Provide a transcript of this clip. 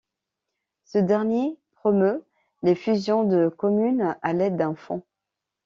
Ce dernier promeut les fusions de communes à l'aide d'un fonds.